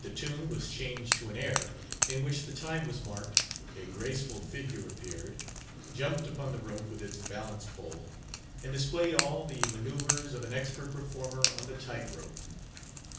The tune was changed to an air, in which the time was marked, a graceful figure appeared, jumped upon the rope with its balance pole, and displayed all the manoeuvres of an expert performer on the tight rope.